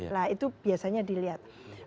nah itu biasanya dilihat